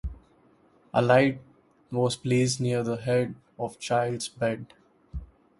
A light was placed near the head of the child's bed.